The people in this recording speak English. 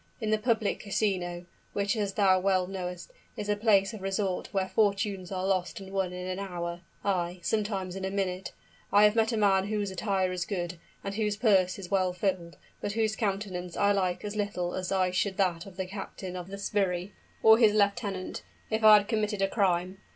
In the public casino which, as thou well knowest, is a place of resort where fortunes are lost and won in an hour ay, sometimes in a minute I have met a man whose attire is good, and whose purse is well filled, but whose countenance I like as little as I should that of the captain of the sbirri, or his lieutenant, if I had committed a crime.